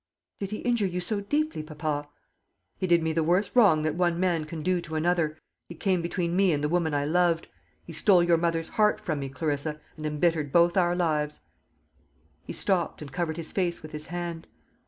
"Did he injure you so deeply, papa?" "He did me the worst wrong that one man can do to another. He came between me and the woman I loved; he stole your mother's heart from me, Clarissa, and embittered both our lives." He stopped, and covered his face with his hand.